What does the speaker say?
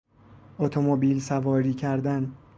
اتومبیل سواری کردن